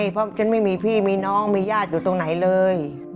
เพราะฉันไม่มีพี่มีน้องมีญาติอยู่ตรงไหนเลย